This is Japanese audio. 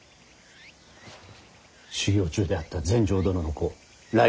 修行中であった全成殿の子頼